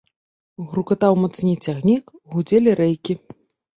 Грукатаў мацней цягнік, гудзелі рэйкі.